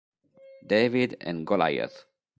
David and Goliath